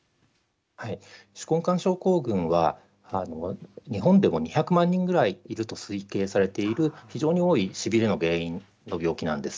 手根管症候群は日本でも２００万人ぐらいいると推計されている非常に多いしびれの原因の病気ですね。